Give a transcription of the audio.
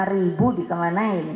lima ribu dikemanain